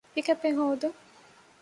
ޕިކަޕެއް ހޯދުން